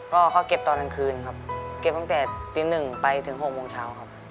ก็เขาเก็บตอนกลางคืนครับเก็บตั้งแต่ตี๑ไปถึง๖โมงเช้าครับ